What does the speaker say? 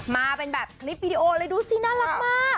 มาเป็นแบบคลิปวิดีโอเลยดูสิน่ารักมาก